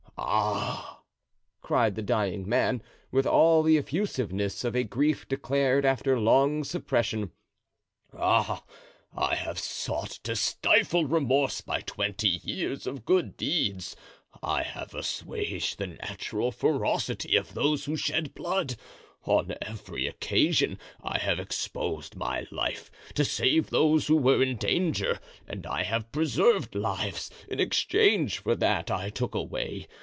"Ah!" cried the dying man, with all the effusiveness of a grief declared after long suppression, "ah! I have sought to stifle remorse by twenty years of good deeds; I have assuaged the natural ferocity of those who shed blood; on every occasion I have exposed my life to save those who were in danger, and I have preserved lives in exchange for that I took away.